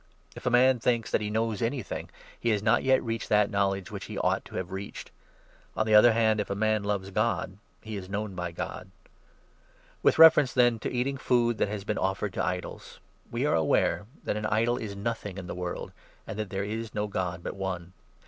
If a man thinks 2 conscience, that he knows anything, he has not yet reached that knowledge which he ought to have reached. On the other 3 hand, if a man loves God, he is known by God. With 4 reference, then, to eating food that has been offered to idols — we are aware that an idol is nothing in the world, and that there is no God but one.